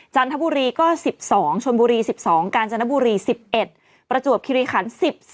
จันทบุรีก็๑๒ชนบุรี๑๒กาญจนบุรี๑๑ประจวบคิริขัน๑๔